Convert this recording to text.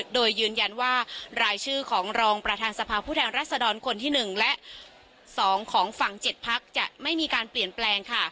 โดยยืนยันว่ารายชื่อของรองประธานสภาพผู้แทนรัศดรคนที่๑และ๒ของฝั่ง๗พักจะไม่มีการเปลี่ยนแปลง